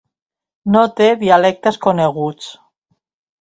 No té dialectes coneguts.